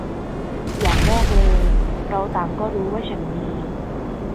อย่างแรกเลย เราต่างก็รู้ว่าฉันมี